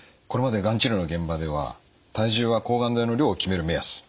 これまでがん治療の現場では体重が抗がん剤の量を決める目安。